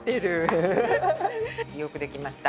よくできました。